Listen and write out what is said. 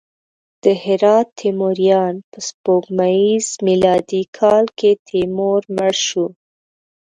د هرات تیموریان: په سپوږمیز میلادي کال کې تیمور مړ شو.